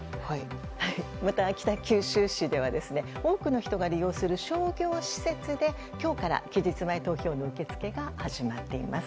また、北九州市では多くの人が利用する商業施設で今日から期日前投票の受け付けが始まっています。